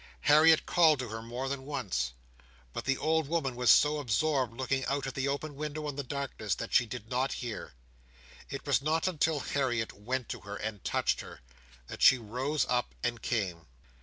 Harriet called to her more than once, but the old woman was so absorbed looking out at the open window on the darkness, that she did not hear. It was not until Harriet went to her and touched her, that she rose up, and came.